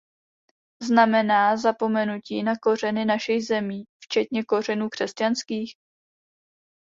Znamená zapomenutí na kořeny našich zemí, včetně kořenů křesťanských?